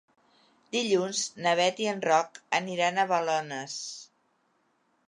Dilluns na Beth i en Roc aniran a Balones.